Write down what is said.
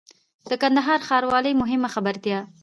د کندهار ښاروالۍ مهمه خبرتيا